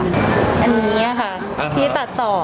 อันนี้ค่ะที่ตัดต่อ